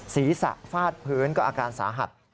ศีรษะฟาดพื้นก็อาการสาหัส